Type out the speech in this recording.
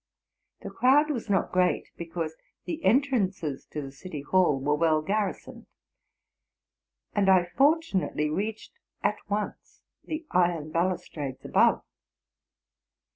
The crowd was not great, because the entrances to the city hall were well garrisoned; and I fortunately reached at once the iron balustrades above.